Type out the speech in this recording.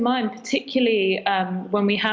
dan saya pikir itu adalah sesuatu yang harus diperhatikan